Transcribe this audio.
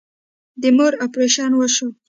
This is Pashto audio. د مور اپريشن وسو.